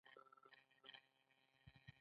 د ښځینه ناروغیو لپاره کوم بوټی وکاروم؟